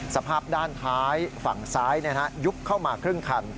สภาพด้านท้ายฝั่งซ้ายยุบเข้ามาครึ่งคัน